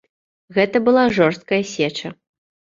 Гэта была жорсткая сеча.